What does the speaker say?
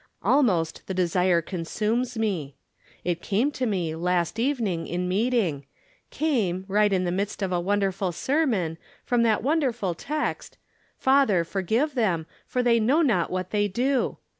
Almost the desire con sumes me. It came to me, last evening, in meet ing — came, right in the midst of a wonderful ser mon, from that wonderful text :" Father, forgive them, for they know not what they do."